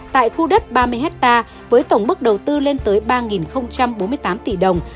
tại khu đất ba mươi hectare với tổng mức đầu tư lên tới ba bốn mươi tám tỷ đồng